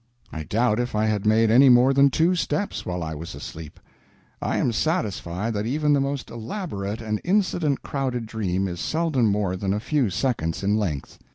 I doubt if I had made any more than two steps while I was asleep. I am satisfied that even the most elaborate and incident crowded dream is seldom more than a few seconds in length.